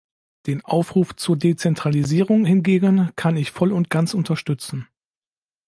Den Aufruf zur Dezentralisierung hingegen kann ich voll und ganz unterstützen.